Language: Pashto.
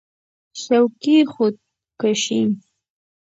شوقي خود کشي